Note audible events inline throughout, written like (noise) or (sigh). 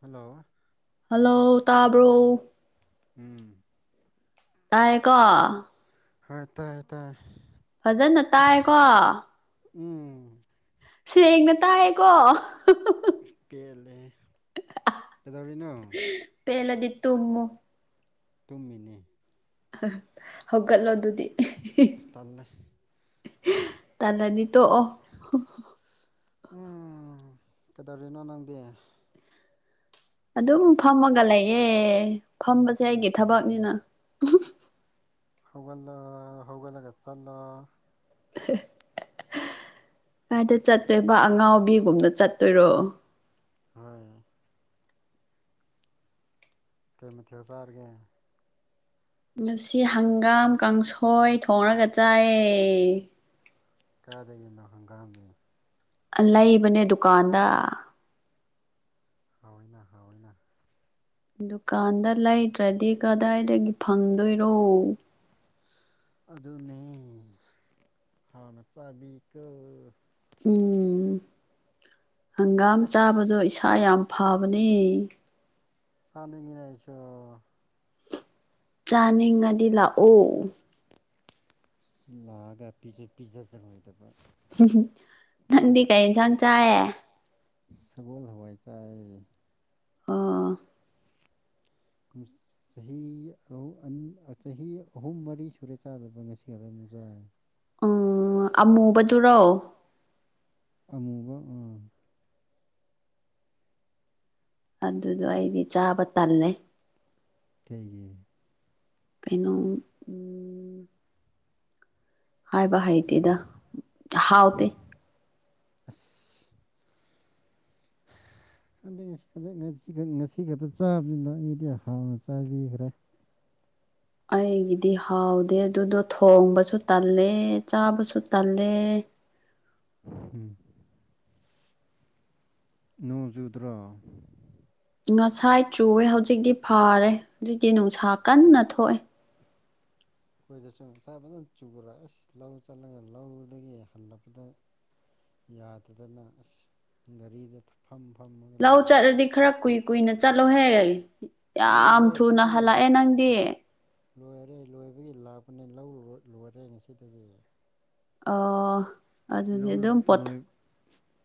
hello hello ꯇꯥꯕ꯭ꯔꯣ ꯎꯝ ꯇꯥꯏ ꯀꯣ ꯍꯣꯏ ꯇꯥꯏꯌꯦ ꯇꯥꯏꯌꯦ ꯐꯖꯅ ꯇꯥꯏꯀꯣ ꯎꯝ ꯁꯦꯡꯅ ꯇꯥꯏꯌꯦꯀꯣ ꯄꯦꯜꯂꯦ ꯀꯗꯧꯔꯤꯅꯣ ꯄꯦꯜꯂꯗꯤ ꯇꯨꯝꯃꯨ ꯇꯨꯝꯃꯤꯅꯤ ꯍꯧꯒꯠꯂꯣ ꯑꯗꯨꯗꯤ ꯇꯜꯂꯦ ꯇꯜꯂꯗꯤ ꯇꯣꯛꯑꯣ ꯎꯝ ꯀꯩꯗꯧꯔꯤꯅꯣ ꯅꯪꯗꯤ ꯑꯗꯨꯝ ꯐꯝꯃꯒ ꯂꯩꯌꯦ ꯐꯝꯕꯁꯦ ꯑꯩꯒꯤ ꯊꯕꯛꯅꯤꯅ ꯍꯧꯒꯜ ꯍꯧꯒꯂꯒ ꯆꯜꯂ ꯍꯥꯏꯗ ꯆꯠꯇ꯭ꯔꯦꯕ ꯑꯉꯥꯎꯕꯤꯒꯨꯝꯅ ꯆꯠꯇꯣꯏꯔꯣ ꯍꯣꯏ ꯀꯩ ꯃꯊ ꯆꯥꯔꯒꯦ ꯉ ꯍꯪꯒꯥꯝ ꯀꯥꯡꯁꯣꯏ ꯊꯣꯡꯉꯒ ꯆꯥꯏꯑ ꯀꯥꯏꯗꯒꯤꯅꯣ ꯍꯪꯒꯥꯝꯅꯤ ꯂꯩꯕꯅꯦ ꯗꯨꯀꯥꯟꯗ ꯍꯥꯎꯏꯅ ꯍꯥꯎꯏꯅ ꯗꯨꯀꯥꯟꯗ ꯂꯩꯇ꯭ꯔꯗꯤ ꯀꯗꯥꯏꯗꯒꯤ ꯐꯪꯗꯣꯏꯔꯣ ꯑꯗꯨꯅꯦ ꯍꯥꯎꯅ ꯆꯥꯕꯤꯀꯣ ꯎꯝ ꯍꯪꯒꯥꯝ ꯑꯁ ꯆꯥꯕꯗꯣ ꯏꯁꯥ ꯌꯥꯝ ꯐꯕꯅꯦ ꯁꯥꯟꯅꯤꯡꯉꯅꯦꯁꯨꯣ (unintelligible) ꯆꯥꯅꯤꯡꯉꯗꯤ ꯂꯥꯛꯑꯣ ꯂꯥꯛꯑꯒ ꯄꯤꯖꯨ ꯄꯤꯖꯔꯣꯏꯗꯕꯗ ꯅꯪꯗꯤ ꯀꯩ ꯌꯦꯟꯁꯥꯡ ꯆꯥꯏꯌꯦ ꯁꯒꯣꯜ ꯍꯋꯥꯏ ꯆꯥꯏ ꯑꯥ ꯈꯨꯁ ꯆꯍꯤꯨꯝ ꯆꯍꯤ ꯑꯍꯨꯝ ꯃꯔꯤ ꯁꯨꯔꯦ ꯆꯥꯗꯕ ꯉꯁꯤꯒꯗ ꯑꯃꯨꯛ ꯆꯥꯦ ꯎꯝ ꯑꯃꯨꯕꯗꯨꯔꯣ ꯑꯃꯨꯕ ꯎꯥ ꯑꯗꯨꯗꯣ ꯑꯩꯗꯤ ꯆꯥꯕ ꯇꯜꯂꯦ ꯀꯩꯒꯤ ꯀꯩꯅꯣ ꯎꯝ ꯍꯥꯏꯕ ꯍꯩꯇꯦꯗ ꯍꯥꯎꯇꯦ ꯑꯁ (unintelligible) ꯈꯟꯗ ꯉꯁꯤ ꯈꯟꯗ ꯉꯁꯤꯈ ꯉꯁꯤ ꯈꯛꯇ ꯆꯥꯕꯅꯤꯅ ꯑꯩꯗꯤ ꯍꯥꯟꯅ ꯆꯥꯕꯤꯈ꯭ꯔꯦ ꯑꯩꯒꯤꯗꯤ ꯍꯥꯎꯗꯦ ꯑꯗꯨꯗꯣ ꯊꯣꯡꯕꯁꯨ ꯇꯜꯂꯦ ꯆꯥꯕꯁꯨ ꯇꯜꯂꯦ ꯎꯝ ꯅꯣꯡꯖꯨꯗ꯭ꯔꯥ ꯉꯁꯥꯏ ꯆꯨꯑꯦ ꯍꯧꯖꯤꯛꯇꯤ ꯐꯥꯔꯦ ꯍꯧꯖꯤꯛꯇꯤ ꯅꯨꯡꯁꯥ ꯀꯟꯅ ꯊꯣꯛꯑꯦ ꯑꯩꯈꯣꯏꯗꯁꯨ ꯉꯁꯥ ꯐꯖꯅ ꯆꯨꯨꯔ ꯑꯁ ꯂꯧ ꯆꯠꯂꯒ ꯂꯧꯗꯒꯤ ꯍꯜꯂꯛꯄꯗ ꯌꯥꯗꯗꯅ ꯑꯁ ꯒꯥꯔꯤꯗ ꯐꯝ ꯐꯝ ꯂꯧ ꯆꯠꯂꯗꯤ ꯈꯔ ꯀꯨꯏ ꯀꯨꯏꯅ ꯆꯠꯂꯣꯍꯦ ꯑꯩ ꯌꯥꯝ ꯂꯣꯏꯔꯦ ꯊꯨꯅ ꯑꯩꯈꯣꯏꯗꯤ ꯍꯜꯂꯛꯑꯦ ꯅꯪꯗꯤ ꯂꯣꯏꯔꯦ ꯂꯣꯏꯕꯒꯤ ꯂꯥꯛꯄꯅꯦ ꯂꯧ ꯂꯣꯏꯔꯦ ꯉꯁꯤꯗꯒꯤ ꯑ ꯂꯧ ꯂꯣꯏ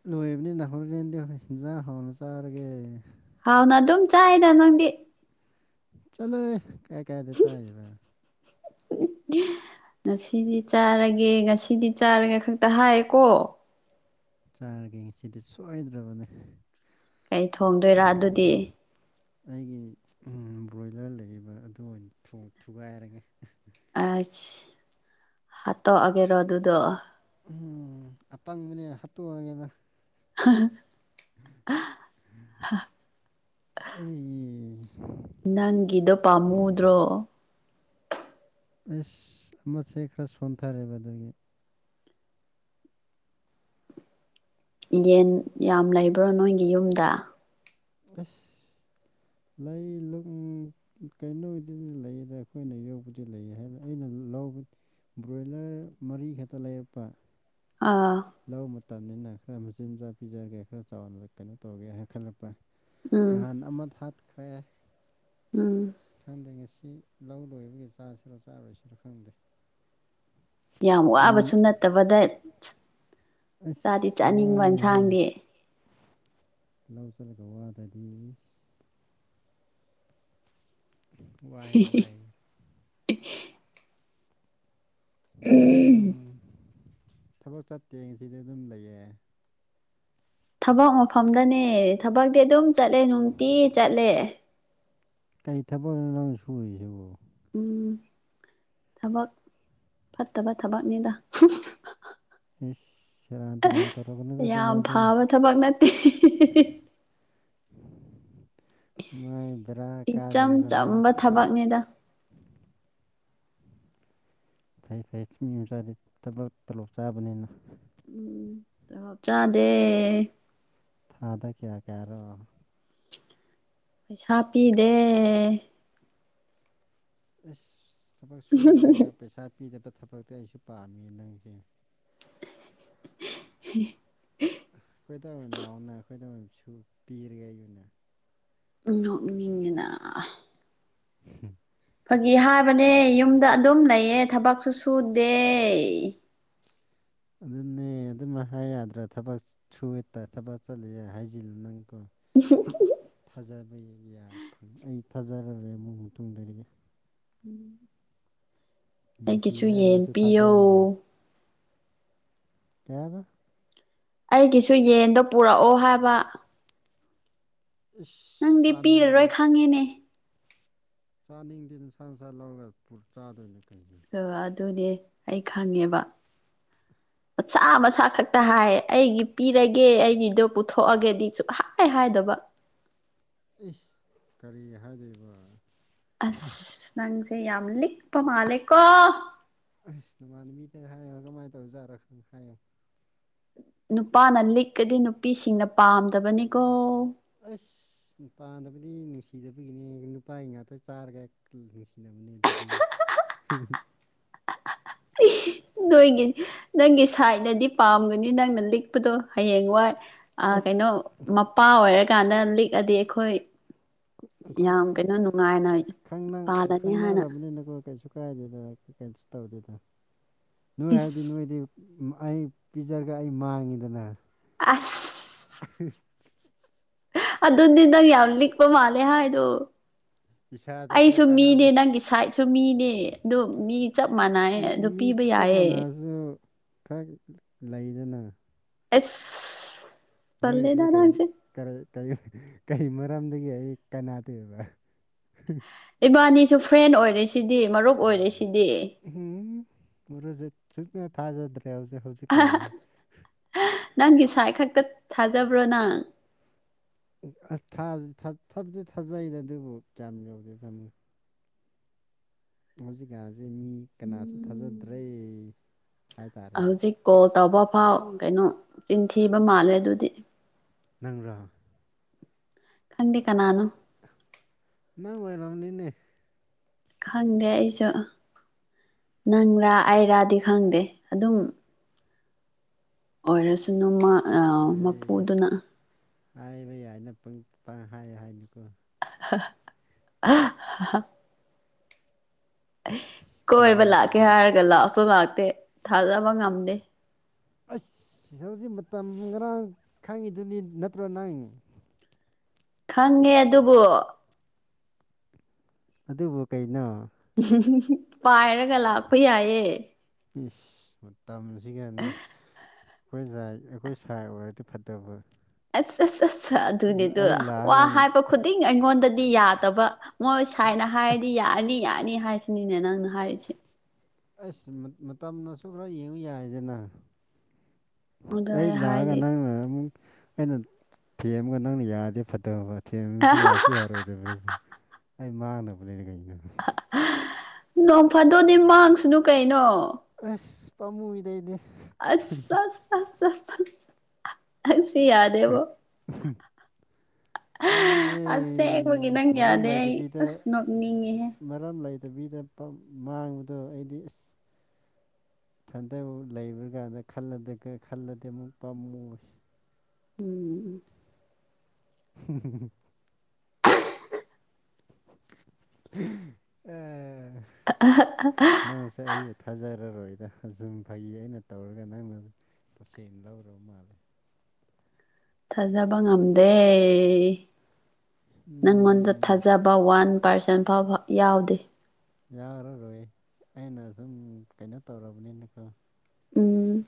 ꯂꯣꯏꯕꯅꯤꯅ ꯅꯍꯔꯔꯦꯟꯗꯤ ꯑꯩꯈꯣꯏ ꯍꯦꯟꯖꯥꯡ ꯍꯥꯎꯅ ꯆꯥꯔꯒꯦ ꯍꯥꯎꯅ ꯑꯗꯨꯝ ꯆꯥꯏꯗ ꯅꯪꯗꯤ ꯆꯂꯣ ꯀꯌꯥ ꯀꯗ ꯆꯏꯕ ꯉꯁꯤꯗꯤ ꯆꯥꯔꯒꯦ ꯉꯁꯤꯗꯤ ꯆꯥꯔꯒꯦ ꯈꯛꯇ ꯍꯥꯏꯌꯦꯀꯣ ꯆꯥꯔꯒꯦ ꯁꯤꯗꯤ ꯁꯣꯏꯗ꯭ꯔꯕꯅꯦ ꯀꯩ ꯊꯣꯡꯗꯣꯏꯔꯥ ꯑꯗꯨꯗꯤ ꯑꯩꯒꯤ ꯕ꯭ꯔꯣꯏꯂꯔ ꯂꯩꯕ ꯑꯗꯨ ꯑꯣꯏꯅ ꯊꯨꯒꯥꯏꯔꯒꯦ ꯑ ꯍꯥꯠꯇꯣꯛꯑꯒꯦꯔꯣ ꯑꯗꯨꯗ ꯎꯝ ꯑꯇꯪꯕꯅꯦ ꯍꯥꯠꯇꯣꯛꯑꯒꯦꯅ ꯍ ꯑꯩ ꯑꯩ ꯅꯪꯒꯤꯗꯣ ꯄꯥꯝꯃꯨꯗ꯭ꯔꯣ ꯑꯁ ꯑꯃꯦ ꯈꯔ ꯁꯣꯟꯊꯔꯦꯕ ꯑꯗꯨꯒꯤ ꯌꯦꯟ ꯌꯥꯝ ꯂꯩꯕ꯭ꯔꯣ ꯅꯣꯏꯒꯤ ꯌꯨꯝꯗ ꯑꯁ ꯂꯩ ꯂ ꯀꯩꯅꯣꯗꯨꯗꯤ ꯂꯩꯗ ꯑꯩꯈꯣꯏꯅ ꯌꯣꯛꯧꯕꯗꯤ ꯂꯩ ꯍꯥꯏꯕ ꯑꯩꯅ ꯂ ꯕ꯭ꯔꯣꯏꯂꯔ ꯃꯔꯤꯈꯛꯇ ꯂꯩꯔꯛꯄ ꯑꯥ ꯂꯧꯕ ꯃꯇꯝꯅꯤꯅ ꯈꯔ ꯃꯆꯤꯟ ꯃꯆꯥꯛ ꯄꯤꯖꯔꯒꯦ ꯈꯔ ꯆꯥꯎꯅ ꯀꯩꯅꯣ ꯇꯧꯔꯒꯦ ꯍꯥꯏꯅ ꯈꯜꯂꯛꯄ ꯎꯝ ꯉꯍꯥꯟ ꯑꯃꯗ ꯍꯥꯠꯈ꯭ꯔꯦ ꯎꯝ ꯈꯪꯗꯦ ꯉꯁꯤ ꯂꯧ ꯂꯣꯏꯕꯒꯤ ꯆꯥꯁꯤꯔꯣ ꯆꯥꯔꯣꯏꯁꯤꯔꯣ ꯈꯪꯗꯦ ꯌꯥꯝ ꯋꯥꯕꯁꯨ ꯅꯠꯇꯕ ꯗꯦꯠ ꯑ ꯋꯥꯏ ꯍ ꯏꯟꯁꯥꯡꯗꯤ ꯂꯧ ꯆꯠꯂꯒ ꯋꯥꯗ꯭ꯔꯗꯤ ꯋꯥꯏ ꯋꯥꯏ ꯎꯝ ꯊꯕꯛ ꯆꯠꯇꯦ ꯉꯁꯤꯗꯤ ꯑꯗꯨꯝ ꯂꯩꯌꯦ ꯊꯕꯛ ꯃꯐꯝꯗꯅꯦ ꯊꯕꯛꯇꯤ ꯑꯗꯨꯝ ꯆꯠꯂꯦ ꯅꯨꯡꯇꯤ ꯆꯠꯂꯦ ꯀꯩ ꯊꯕꯛꯅ ꯅꯪ ꯁꯨꯔꯤꯁꯤꯦꯕꯣ ꯎꯝ ꯊꯕꯛ ꯐꯠꯇꯕ ꯊꯕꯛꯅꯤꯅ ꯏꯁꯁ ꯔꯗ ꯔ ꯇꯧꯔꯣꯕꯨ ꯀꯗꯧ ꯌꯥꯝ ꯃꯥꯏꯗ ꯐꯕ ꯊꯕꯛ ꯅꯠꯇꯦ ꯃꯥꯏ ꯦꯔ ꯀꯥꯅꯤꯀꯣꯅ ꯃꯗꯥ ꯐꯩ ꯐꯩ ꯆꯃꯤ ꯌꯆꯥꯗꯤ ꯊꯕꯛ ꯇꯂꯣꯞ ꯆꯥꯕꯅꯤꯅ ꯆꯞ ꯆꯥꯗꯦ ꯊꯥꯗ ꯀꯌꯥ ꯀꯌꯥꯔꯣ ꯄꯩꯁꯥ ꯄꯤꯗꯦ ꯑꯁ ꯊꯕꯛ ꯁꯨꯔꯒ ꯄꯩꯁꯥ ꯄꯤꯗꯕ ꯊꯕꯛꯇꯤ ꯑꯩꯁꯨ ꯄꯥꯝꯃꯤ ꯅꯪꯁꯦ ꯍ ꯑꯩꯈꯣꯏꯗ ꯂꯥꯎꯅ ꯑꯩꯈꯣꯏꯗꯝꯁꯨ ꯄꯤꯔꯒꯦ ꯑꯩ ꯑꯣꯏꯅ ꯅꯣꯛꯅꯤꯡꯉꯤꯅ ꯍꯝ ꯐꯥꯒꯤ ꯍꯥꯏꯕꯅꯦ ꯌꯨꯝꯗ ꯑꯗꯨꯝ ꯂꯩꯌꯦ ꯊꯕꯛꯁꯨ ꯁꯨꯗꯦ ꯑꯗꯨꯅꯦ ꯑꯗꯨꯝ ꯍꯥꯏ ꯌꯥꯗ꯭ꯔꯥ ꯊꯕꯛ ꯊ꯭ꯔꯨꯋꯦꯠꯇ ꯊꯕꯛ ꯆꯠꯂꯦ ꯍꯥꯏꯖꯤꯜꯂꯨ ꯅꯪꯀꯣ ꯎ ꯊꯥꯖꯕꯒꯤꯒꯌꯥ ꯐꯪ ꯑꯩ ꯊꯥꯖꯔꯔꯦ ꯑꯃꯨꯨꯡ ꯃꯇꯨꯡꯗꯔꯒ ꯅꯨꯡꯁꯤ ꯑꯩꯒꯤꯁꯨ ꯌꯦꯟ ꯍꯥꯏꯔꯁꯨ ꯄꯤꯌꯣ ꯊꯥꯖꯔꯔꯣꯏ ꯇꯕ ꯑꯩꯒꯤꯁꯨ ꯌꯦꯟꯗꯣ ꯄꯨꯔꯛꯑꯣ ꯍꯥꯏꯕ ꯅꯪꯗꯤ ꯄꯤꯔꯔꯣꯏ ꯏꯁꯥꯅꯤꯡꯒꯤꯅꯠ ꯈꯪꯉꯤꯅꯦ ꯆꯥꯅꯤꯡꯗꯦ ꯅꯨꯡꯁꯥ ꯅꯨꯡꯁꯥ ꯂꯧꯔꯒ ꯄꯨ ꯆꯥꯗꯣꯏꯅ ꯀꯩꯒꯤꯅꯣ ꯑ ꯑꯗꯨꯅꯦ ꯑꯩ ꯈꯪꯉꯦꯕ (inaudible) ꯃꯆꯥ ꯃꯆꯥꯥ ꯈꯛꯇ ꯍꯥꯏ ꯑꯩꯒꯤ ꯄꯤꯔꯒꯦ ꯑꯩꯒꯤꯗꯣ ꯄꯨꯊꯣꯛꯑꯒꯗꯤ ꯁꯨꯡ ꯍꯥꯏ ꯍꯥꯏꯗꯕ ꯑꯦ ꯀꯔꯤ ꯍꯥꯏꯗꯣꯏꯔꯤꯕ ꯑꯁ ꯅꯪꯁꯦ ꯌꯥꯝ ꯂꯤꯛꯄ ꯃꯥꯜꯂꯦꯀꯣ ꯑꯁ ꯅꯃꯥꯟꯅ ꯃꯤꯇꯅ ꯍꯥꯏꯌꯦꯉꯣ ꯀꯃꯥꯏꯅ ꯇꯧꯖꯠꯔꯛ ꯈꯅꯣ ꯍꯥꯏꯌꯦꯉꯣ ꯅꯨꯄꯥꯅ ꯂꯤꯛꯀꯗꯤ ꯅꯨꯄꯤꯁꯤꯡꯅ ꯄꯥꯝꯗꯕꯅꯤꯀꯣ ꯑꯁ ꯄꯥꯟꯗꯕꯗꯤ ꯅꯨꯡꯁꯤꯗꯕꯒꯤꯅꯦ ꯅꯨꯄꯥꯒꯤ ꯉꯥꯛꯇ ꯆꯥꯔꯒ ꯅꯨꯡꯁꯤꯅꯕꯅꯦ ꯑꯗꯨꯗꯤ ꯅꯣꯏꯒꯤ ꯅꯪꯒꯤ ꯁꯥꯏꯠꯅꯗꯤ ꯄꯥꯝꯒꯅꯤ ꯅꯪꯅ ꯂꯤꯛꯄꯗꯣ ꯍꯌꯦꯡ ꯋꯥꯏ ꯀꯩꯅꯣ ꯑꯁ ꯃꯄꯥ ꯑꯣꯏꯔꯀꯥꯟꯗ ꯂꯤꯛꯑꯗꯤ ꯑꯩꯈꯣꯏ ꯌꯥꯝ ꯑꯩꯈꯣꯏꯗꯤ ꯀꯩꯅꯣ ꯅꯨꯡꯉꯥꯏꯅ ꯄꯥꯜꯂꯅꯤ ꯍꯥꯏꯅ ꯈꯪꯅꯔꯕꯅꯤꯅꯀꯣ ꯀꯩꯁꯨ ꯀꯥꯏꯗꯦꯗ ꯀꯩꯅ ꯇꯧꯗꯦꯗ ꯅꯣꯏ ꯍꯥꯏꯕꯗꯤ ꯏꯁ ꯅꯣꯏꯗꯤ ꯑꯩ ꯄꯤꯖꯔꯒ ꯑꯩ ꯃꯥꯡꯉꯤꯗꯅ ꯑꯁ ꯍ ꯑꯗꯨꯗꯗꯪ ꯌꯥ ꯌꯥꯝ ꯂꯤꯛꯄ ꯃꯥꯂꯦ ꯍꯥ ꯑꯗꯨꯣ ꯏꯁꯥꯗ ꯈꯔ ꯑꯩꯁꯨ ꯃꯤꯅꯦ ꯀꯥꯟꯅꯕ ꯅꯪꯒꯤ ꯁꯥꯏꯠꯁꯨ ꯃꯤꯅꯦ ꯑꯗꯨ ꯃꯤ ꯆꯞ ꯃꯥꯟꯅꯩꯌꯦ ꯑꯗꯨ ꯃꯤ ꯄꯤꯕ ꯆꯞ ꯌꯥꯏꯌꯦ ꯃꯥꯟꯅꯔꯁꯨ ꯈꯔ ꯂꯩꯗꯅ ꯑꯦꯁ ꯅꯣꯏꯗꯤ ꯀꯩ ꯀꯩ ꯃꯔꯝꯗꯒꯤ ꯑꯩ ꯀꯅꯥ ꯇꯧꯕ ꯏꯕꯥꯅꯤꯁꯨ ꯐ꯭ꯔꯦꯟ ꯑꯣꯏꯔꯦꯁꯤꯗꯤ ꯃꯔꯨꯞ ꯑꯣꯏꯔꯦ ꯁꯤꯗꯤ ꯎꯝ ꯃꯔꯁꯨ ꯁꯨꯅ ꯊꯥꯖꯗ꯭ꯔꯦ ꯍꯧꯖꯤꯛ ꯍꯧꯖꯤꯛ ꯅꯪꯒꯤ ꯁ꯭ꯋꯥꯥꯏ ꯈꯛꯇ ꯊꯥꯖꯕ꯭ꯔꯣ ꯅꯪ ꯑꯁ ꯊꯕꯗꯤ ꯊꯥꯖꯩꯗ ꯑꯗꯨꯕꯨ ꯀꯌꯥꯝ ꯌꯧꯗꯦ ꯇꯥꯃꯣ ꯍꯧꯖꯤꯛꯀꯥꯁꯦ ꯃꯤ ꯀꯅꯥꯁꯨ ꯊꯥꯖꯗ꯭ꯔꯦ ꯍꯥꯏꯇꯥꯔꯦꯅꯦ ꯍꯧꯖꯤꯛ ꯀꯣꯜ ꯇꯧꯕ ꯐꯥꯎ ꯀꯩꯅꯣ ꯆꯤꯟꯊꯤꯕ ꯃꯥꯜꯂꯦ ꯑꯗꯨꯗꯤ ꯅꯪꯔꯥ ꯈꯪꯗꯦ ꯀꯅꯥꯅꯣ ꯅꯪ ꯣꯏꯔꯝꯅꯤꯅꯦ ꯈꯪꯗꯦ ꯑꯩꯁꯨ ꯅꯪꯔꯥ ꯑꯩꯔꯥꯗꯤ ꯈꯪꯗꯦ ꯑꯗꯨꯝ ꯑꯣꯏꯔꯁꯨꯅꯃꯛ ꯑ ꯑꯩ ꯍꯥꯏꯕ ꯌꯥꯏꯅ ꯄꯨꯡ ꯄꯥꯡ ꯍꯥꯏ ꯍꯥꯏꯅꯤꯨꯀꯣ (inaudible) ꯑꯦ ꯑꯁ ꯀꯣꯏꯕ ꯂꯥꯛꯀꯦ ꯈꯨꯅꯣꯛꯇꯨꯗꯤ ꯍꯥꯏꯔꯒ ꯂꯥꯛꯁꯨ ꯂꯥꯛꯇꯦ ꯊꯥꯖꯕ ꯉꯝꯗꯦ ꯑꯁ ꯍꯧꯖꯤꯛ ꯃꯇꯝ ꯉꯔꯥꯡ ꯈꯪꯉꯤꯗꯨꯅꯤ ꯅꯠꯇ꯭ꯔꯣ ꯅꯪ ꯈꯪꯉꯦ ꯑꯗꯨꯕꯨ ꯑꯗꯨꯕꯨ ꯀꯩꯅꯣ ꯄꯥꯏꯔꯒ ꯂꯥꯛꯄ ꯌꯥꯏꯌꯦ ꯏꯁꯤꯁ ꯃꯇꯝꯁꯤꯒ ꯑꯩꯈꯣꯏ ꯉ ꯑꯩꯈꯣꯏ ꯁꯥꯥꯏ ꯑꯣꯏꯔꯗꯤ ꯐꯠꯇꯕ ꯑꯁ ꯑꯁ ꯑꯁ ꯑꯗꯨꯅꯤꯗ ꯑꯩ ꯋꯥ ꯂꯥꯛꯑꯒ ꯍꯥꯏꯕ ꯈꯨꯗꯤꯡ ꯑꯩꯉꯣꯟꯗꯗꯤ ꯌꯥꯗꯕ ꯃꯣꯏ ꯁꯥꯏꯅ ꯍꯥꯏꯔꯗꯤ ꯌꯥꯅꯤ ꯌꯥꯅꯤ ꯍꯥꯏꯁꯤꯅꯤꯅꯦ ꯅꯪꯅ ꯍꯥꯏꯔꯤꯁꯦ ꯑꯁ ꯃꯇꯝꯅꯁꯨ ꯈꯔ ꯌꯦꯡꯉꯨ ꯌꯥꯏꯗꯅ ꯑꯗꯨ ꯑꯩ ꯂꯥꯛꯑꯒ ꯍꯥꯏꯗꯤ ꯅꯪꯅ ꯑꯃꯨꯛ ꯑꯩꯅ ꯊꯦꯝꯃꯒ ꯅꯪꯅ ꯌꯥꯔꯗꯦ ꯐꯠꯇꯕ ꯊꯦꯝꯕꯁꯨ ꯌꯥꯁꯨ ꯌꯥꯔꯣꯏꯗꯕꯗ ꯑꯩ ꯃꯥꯡꯅꯕ ꯂꯩꯅ ꯀꯩꯅꯒꯤꯩꯅꯣ ꯅꯣꯡ ꯐꯗꯣꯗꯤ ꯃꯥꯡꯁꯅꯨ ꯀꯩꯅꯣ ꯑꯁ ꯄꯥꯝꯃꯨꯗꯩꯗꯤ ꯑ ꯑ ꯑꯁ ꯌꯥꯔ (unintelligible) ꯄꯥꯃꯨꯍ ꯑꯁꯦꯡꯕꯒꯤ ꯅꯪ ꯃꯔꯥꯡ ꯌꯥꯗꯦ ꯑꯩ ꯂꯩꯥꯏꯗꯕꯤꯗ ꯑꯁ ꯅꯣꯛꯅꯤꯡꯉꯤꯍꯦ ꯃꯔꯝ ꯂꯩꯇꯕꯤꯗ ꯃꯥꯡꯕꯗꯣ ꯑꯩꯗꯤ ꯑ ꯊꯟꯊꯕ ꯂꯩꯕ꯭ꯔ ꯀꯥꯟꯗ ꯈꯜꯂ ꯈꯜꯂꯗꯤ ꯑꯃꯨꯛ ꯄꯥꯝꯃꯨꯏ ꯎꯝ ꯎꯝ (unintelligible) ꯑ (unintelligible) ꯁ ꯑꯩꯁꯨ ꯊꯥꯖꯔꯔꯣꯏꯗ ꯁꯨꯝ ꯐꯩ ꯑꯩꯅ ꯇꯧꯔꯒ ꯅꯪꯅ ꯇꯁꯦꯡꯅ ꯂꯧꯔꯔꯕ ꯃꯥꯜꯂꯦ ꯊꯥꯖꯕ ꯉꯝꯗꯦ ꯅꯪꯉꯣꯟꯗ ꯎꯝ ꯊꯥꯖꯕ ꯋꯥꯟ ꯄꯥꯔꯁꯦꯟ ꯐꯥꯎꯕ ꯌꯥꯎꯗꯦ ꯌꯥꯔꯔꯣꯏ ꯑꯩꯅ ꯁꯨꯝ ꯀꯩꯅꯣ ꯇꯧꯔꯕꯅꯤꯅꯀꯣ ꯎꯝ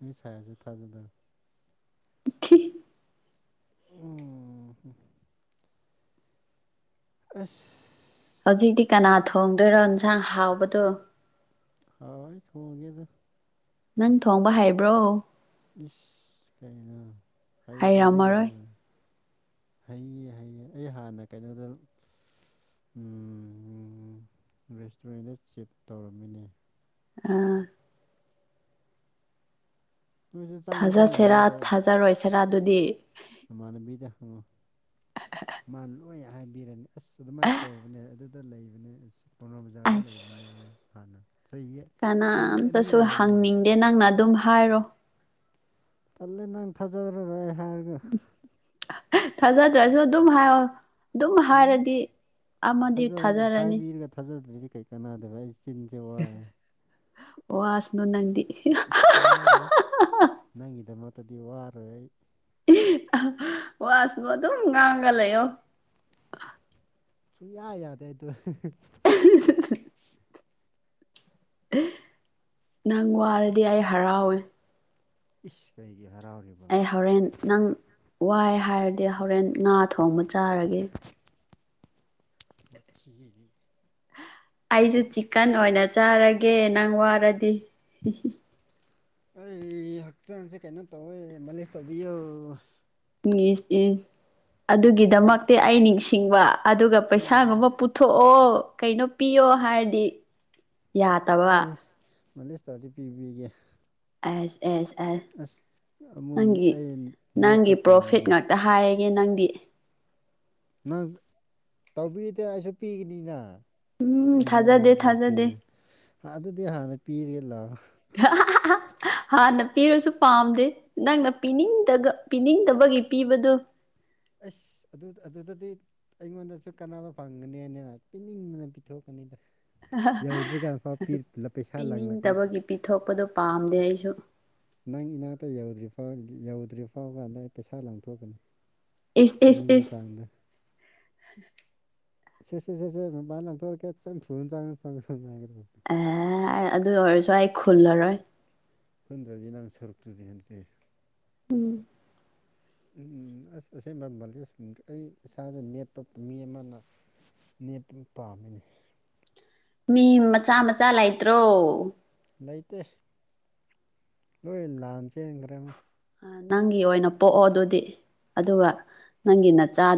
ꯑꯩ ꯁꯥꯏꯁꯨꯦ ꯊꯥꯖꯗꯕ ꯈꯤ ꯎꯝ ꯑꯁ ꯍꯧꯖꯤꯛꯇꯤ ꯀꯅꯥ ꯊꯣꯡꯗꯣꯏꯔꯣ ꯌꯦꯟꯁꯥꯡ ꯍꯥꯎꯕꯗꯣ ꯍꯥꯎ ꯊꯣꯡꯒꯦꯗ ꯅꯪ ꯊꯣꯡꯕ ꯍꯥꯏꯕ꯭ꯔꯣ ꯏꯁ ꯀꯥꯏꯅ ꯍꯥꯏꯩꯗ꯭ꯔꯗꯤ ꯍꯩꯔꯝꯃꯔꯣꯏ ꯀꯥꯏꯅ ꯍꯩꯌꯦ ꯍꯩꯌꯦ ꯑꯩ ꯍꯥꯟꯅ ꯀꯩꯅꯣꯗ ꯔꯦꯁꯇꯨꯔꯦꯟꯗ ꯆꯤꯞ ꯇꯧꯔꯝꯃꯤꯅꯦ ꯑꯥ ꯅꯣꯏꯁꯨ ꯆꯪꯗꯤ ꯊꯥꯖꯁꯦꯔꯥ ꯆꯪꯂꯝꯒꯅꯤꯗ ꯊꯥꯖꯔꯣꯏꯁꯤꯦꯔꯥ ꯑꯗꯨꯗꯤ ꯃꯥꯅꯕꯤꯗ ꯈꯉꯣ ꯃꯥ ꯍꯣꯏ ꯍꯥꯏꯕꯤꯔꯅꯤ ꯑꯁ ꯑꯗꯨꯃꯥꯏꯅ ꯇꯧꯕꯅꯦ ꯑꯗꯨꯗ ꯂꯩꯕꯅꯦ ꯑꯁ ꯀꯧꯅꯥ ꯕꯖꯥꯔꯗ ꯂꯩꯕꯅꯦ ꯑꯁ ꯑꯩ ꯍꯥꯟꯅ ꯆꯍꯤ ꯆꯍꯤ ꯑꯅꯤ ꯀꯅꯥꯝꯇꯁꯨ ꯂꯩꯔꯝꯃꯦ ꯍꯪꯅꯤꯡꯗꯦ ꯅꯪꯅ ꯑꯗꯨꯝ ꯍꯥꯏꯔꯣ ꯇꯜꯂꯦ ꯅꯪ ꯊꯥꯖꯈꯔꯔꯣꯏ ꯑꯩ ꯍꯥꯏꯔꯒ ꯊꯥꯖꯗ꯭ꯔꯁꯨ ꯑꯗꯨꯝ ꯍꯥꯏꯌꯣ ꯑꯗꯨꯝ ꯎꯝ ꯍꯥꯏꯔꯗꯤ ꯑꯃꯗꯤ ꯊꯥꯖ ꯊꯥꯖꯔꯅꯤ ꯍꯥꯏꯕꯤꯔꯒ ꯊꯥꯖꯗ꯭ꯔꯔꯤꯗꯤ ꯀꯩ ꯀꯅꯥꯗꯚꯥꯏ ꯏꯆꯤꯟ ꯆꯧꯥꯏ ꯋꯥꯁꯅꯨ ꯅꯪꯗꯤ ꯋꯥꯔꯣꯏ ꯅꯪꯒꯤꯗꯃꯛꯇꯗꯤ ꯋꯥꯔꯣꯏ ꯑꯩ ꯋꯥꯁꯕꯨ ꯑꯗꯨꯝ ꯉꯥꯡꯒ ꯂꯩꯌꯣ ꯌꯥ ꯌꯥꯗꯦ ꯍꯥꯏ ꯇ ꯅꯪ ꯋꯥꯔꯗꯤ ꯑꯁ ꯑꯩ ꯍꯔꯥꯎꯋꯦ ꯏꯁ ꯀꯩꯒꯤ ꯍꯔꯥꯎꯔꯤꯕ ꯑꯩ ꯍꯣꯔꯦꯟ ꯅꯪ ꯋꯥꯏ ꯍꯥꯏꯔꯗꯤ ꯍꯣꯔꯦꯟ ꯉꯥ ꯊꯣꯡꯕ ꯆꯥꯔꯒꯦ ꯃ ꯊꯤꯅꯤ ꯑꯩꯁꯨ ꯆꯤꯛꯀꯟ ꯑꯣꯏꯅ ꯆꯥꯔꯒꯦ ꯅꯪ ꯋꯥꯔꯗꯤ ꯑꯩ ꯍꯛꯆꯥꯡꯁꯦ ꯀꯩꯅꯣ ꯇꯧꯋꯦ ꯃꯥꯂꯦꯁ ꯇꯧꯕꯤꯌꯨ ꯑꯗꯨꯒꯤꯗꯃꯛꯇꯤ ꯑꯩ ꯅꯤꯡꯁꯤꯡꯕ ꯑꯗꯨꯒ ꯄꯩꯁꯥꯒꯨꯝꯕ ꯊꯣꯛꯑꯣ ꯀꯩꯅꯣ ꯄꯤꯌꯣ ꯍꯥꯏꯔꯗꯤ ꯌꯥꯗꯕ ꯑꯦ ꯃ ꯂꯤꯁꯇꯗꯤ ꯄꯤꯕꯤꯒꯦ ꯑꯦꯁ ꯑꯦꯁ ꯑꯦꯁ ꯑꯁ ꯑꯃꯨꯛ ꯅꯪꯒꯤ ꯑꯩ ꯅꯪꯒꯤ ꯅꯦꯠꯄ ꯄ꯭ꯔꯣꯐꯤꯠ ꯄꯥꯝꯃꯤꯅꯦ ꯉꯥꯛ ꯛꯇ ꯍꯥꯏꯔꯒꯦ ꯅꯪꯗꯤ ꯅꯪ ꯇꯧꯕꯤꯗꯦ ꯑꯩꯁꯨ ꯄꯤꯒꯅꯤꯅ ꯎꯝ ꯑꯩꯉ ꯑꯩ ꯊꯥꯖꯗꯦ ꯊꯥꯖꯗꯦ ꯄꯨꯔꯄꯤꯔꯦ ꯑꯗꯨꯗꯤ ꯍꯥꯟꯅ ꯄꯤꯔꯦ ꯂꯥꯛꯑꯣ (unintelligible) ꯍꯥꯟꯅ ꯄꯤꯔꯁꯨ ꯄꯥꯝꯗꯦ ꯅꯪꯅ ꯄꯤꯅꯤꯡꯗ ꯄꯤꯅꯤꯡꯗꯕꯒꯤ ꯄꯤꯕꯗꯨ ꯑꯁ ꯑꯗꯨ ꯑꯗꯨꯗꯗꯤ ꯑꯩꯉꯣꯟꯗꯁꯨ ꯀꯥꯟꯅꯕ ꯐꯪꯒꯅꯦꯅꯦꯅ ꯄꯤꯅꯤꯡꯕꯅ ꯄꯤꯊꯣꯛꯀꯅꯤꯗ ꯌꯧꯗ꯭ꯔꯤꯀꯥꯟꯗ ꯐꯥꯎ ꯄꯤ ꯄꯩꯁꯥ ꯂꯪꯂꯪꯂꯛꯀꯅꯤ ꯄꯤꯊꯣꯛꯄꯗꯨ ꯄꯥꯝꯗꯦ ꯑꯩꯁꯨ ꯅꯪ ꯏꯅꯥꯛꯇ ꯌꯧꯗ꯭ꯔꯤꯐꯥꯎ ꯌꯧꯗ꯭ꯔꯤꯐꯥꯎ ꯀꯥꯟꯗ ꯑꯩ ꯄꯩꯁꯥ ꯂꯪꯊꯣꯛꯀꯅꯤ ꯏꯁ ꯏꯁ ꯄꯤꯅꯤꯡꯕ ꯏꯁ ꯆꯥꯡꯗ ꯁꯦꯁꯦ ꯁꯦꯁꯦ ꯅ ꯂ ꯊꯣꯔꯔ ꯀꯦ ꯆꯪ ꯊꯨꯅ ꯆꯪꯉꯪ ꯑꯗꯨ ꯑꯣꯏꯔꯁꯨ ꯑꯩ ꯈꯨꯜꯂꯔꯣꯏ ꯐꯟꯗ꯭ꯔꯗꯤ ꯅꯥꯡ ꯁꯔꯨꯛꯇꯨꯗꯤ ꯍꯟꯗꯤꯦ ꯎꯝ ꯎ ꯑꯁ ꯑꯁꯦꯡꯕ ꯃꯥ ꯑꯩ ꯏꯁꯥꯗ ꯅꯦꯞꯄꯝ ꯃꯤ ꯑꯃꯅ ꯅꯦꯄ ꯄꯥꯝꯃꯤꯅꯦ ꯃꯤ ꯃꯆꯥ ꯃꯆꯥ ꯂꯩꯇ꯭ꯔꯣ ꯂꯩꯇ ꯂꯣꯏ ꯂꯍꯥꯟꯆꯦ ꯍꯡ ꯈꯦ ꯑꯃ ꯅꯪꯒꯤ ꯑꯣꯏꯅ ꯄꯣꯛꯑꯣ ꯑꯗꯨꯗꯤ ꯑꯗꯨꯒ ꯅꯪꯒꯤ ꯅꯆꯥꯗ